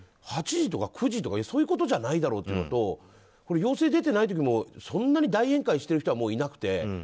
８時とか９時とかそういうことじゃないだろうというのと要請が出ていない時もそんなに大宴会をしている人はもういなくて。